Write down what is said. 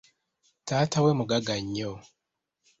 Taata we mugagga nnyo.